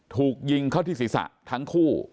ถูกยิงเข้าที่ศีรษะทั้งคู่